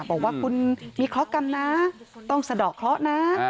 บอกว่าคุณมีเคราะหกรรมนะต้องสะดอกเคราะห์นะ